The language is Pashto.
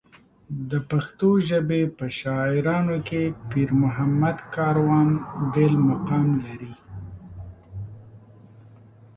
د پښتو ژبې په شاعرانو کې پېرمحمد کاروان بېل مقام لري.